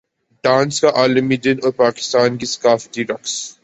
dance کا عالمی دن اور پاکستان کے ثقافتی رقص